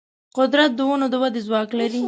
قدرت د ونو د ودې ځواک لري.